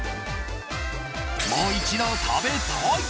もう一度食べたい！